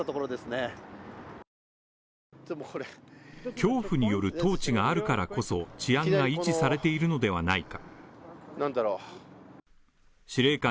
恐怖による統治があるからこそ、治安が維持されているのではないか。